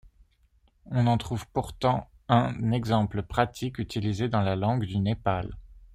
On en trouve pourtant un exemple pratique utilisé dans la langue du Népal.